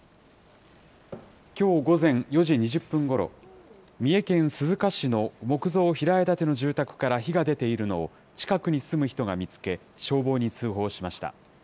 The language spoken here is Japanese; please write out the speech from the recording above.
きょう午前４時２０分ごろ、三重県鈴鹿市の木造平屋建ての住宅から火が出ているのを、近くに住む人が見つけ、消防に通報しました。